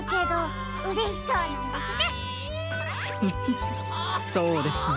フフフッそうですね。